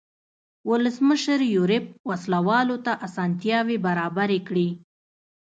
ولسمشر یوریب وسله والو ته اسانتیاوې برابرې کړې.